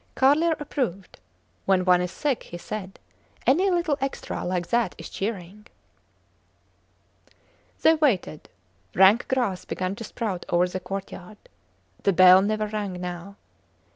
Carlier approved. When one is sick, he said, any little extra like that is cheering. They waited. Rank grass began to sprout over the courtyard. The bell never rang now.